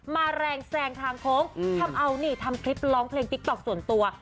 แรงแซงทางโค้งทำเอานี่ทำคลิปร้องเพลงติ๊กต๊อกส่วนตัว